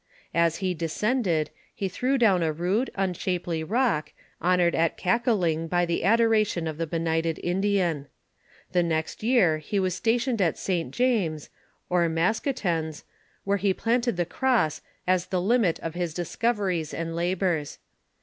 As he descended, he threw down a rude, unshapely rock, honored at Eakaling by the adoration of the benighted Indian. The next year he was stationed at St. James, or Maskoutens, where he planted the cross as the limit of his discoveries and labors.